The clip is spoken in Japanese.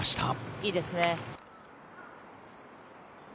いいですね。